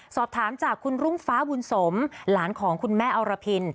สอบถามจากคุณรุ่งฟ้าบุญสมหลานของคุณแม่อรพิน